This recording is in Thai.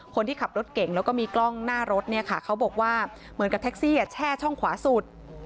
คนที่ขับรถเก่งแล้วก็มีกล้องหน้ารถเนี่ยค่ะเขาบอกว่าเหมือนกับแท็กซี่แช่ช่องขวาสุด